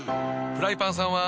フライパンさんは。